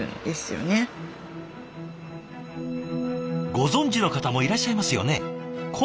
ご存じの方もいらっしゃいますよね？